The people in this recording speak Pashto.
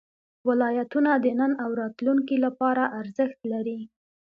ولایتونه د نن او راتلونکي لپاره ارزښت لري.